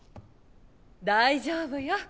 大丈夫よ。